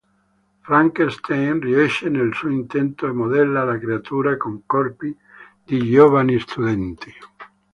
Frankenstein riesce nel suo intento e modella la creatura con corpi di giovani studenti.